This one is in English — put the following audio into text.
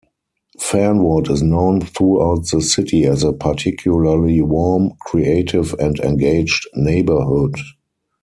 Fernwood is known throughout the city as a particularly warm, creative, and engaged neighbourhood.